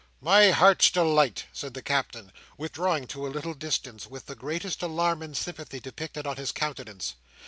"My Heart's Delight!" said the Captain, withdrawing to a little distance, with the greatest alarm and sympathy depicted on his countenance.